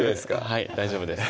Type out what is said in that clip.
はい大丈夫です